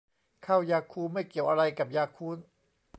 ข้าวยาคู ไม่เกี่ยวอะไรกับยาคูลท์